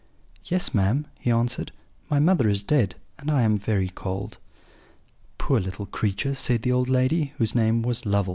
"'Yes, ma'am,' he answered; 'my mother is dead, and I am very cold.' "'Poor little creature!' said the old lady, whose name was Lovel.